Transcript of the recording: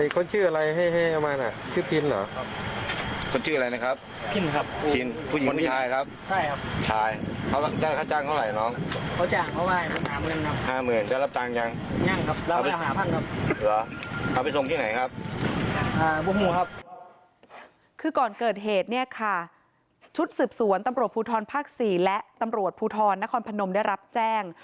คือก่อนเกิดเหตุเนี่ยค่ะชุดสืบสวนตำรวจภูทรภาค๔และตำรวจภูทรนครพนมได้รับแจ้ง